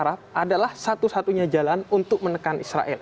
arab adalah satu satunya jalan untuk menekan israel